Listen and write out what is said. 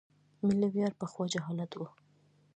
ملي ویاړ پخوا جهالت و.